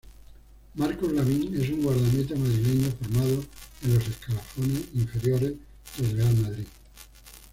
Marcos Lavín es un guardameta madrileño, formado en los escalafones inferiores del Real Madrid.